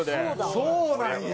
そうなんや！